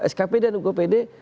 skpd dan ukpd